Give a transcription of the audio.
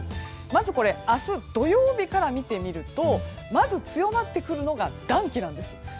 まず明日、土曜日から見てみるとまず強まってくるのが暖気なんです。